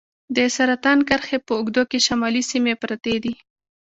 د سرطان کرښې په اوږدو کې شمالي سیمې پرتې دي.